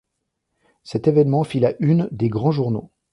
Cet événement fit la une des grands journaux.